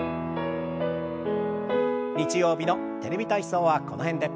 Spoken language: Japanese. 日曜日の「テレビ体操」はこの辺で。